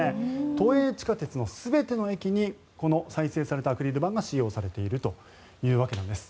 都営地下鉄の全ての駅にこの再生されたアクリル板が使用されているというわけなんです。